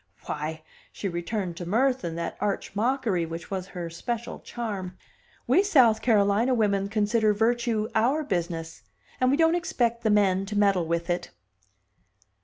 Why" she returned to mirth and that arch mockery which was her special charm "we South Carolina women consider virtue our business, and we don't expect the men to meddle with it!"